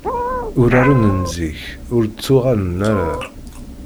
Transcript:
Uraren n zik, ur d-ttuɣalen ara.